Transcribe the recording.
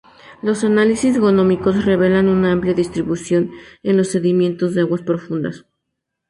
Los análisis genómicos rebelan una amplia distribución en los sedimentos de aguas profundas.